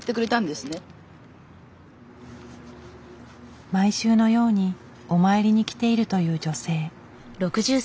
ちょうどね毎週のようにお参りに来ているという女性。